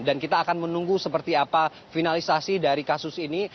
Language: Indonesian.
dan kita akan menunggu seperti apa finalisasi dari kasus ini